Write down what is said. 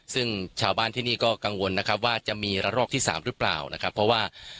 ซึ่งชาวบ้านที่นี่ก็กังวลนะครับว่าจะมีระลอกที่๓หรือเปล่านะครับเพราะว่า